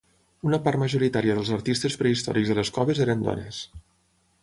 Una part majoritària dels artistes prehistòrics de les coves eren dones.